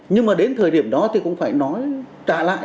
nhưng mà đến thời điểm đó thì cũng phải nói trả lại